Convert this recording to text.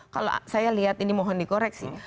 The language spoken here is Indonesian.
kalau saya lihat ini mohon dikoreksi